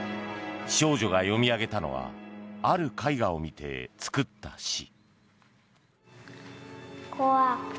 少女が読み上げたのはある絵画を見て作った詩。